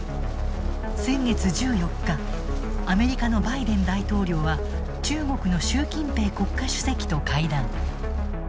先月１４日アメリカのバイデン大統領は中国の習近平国家主席と会談。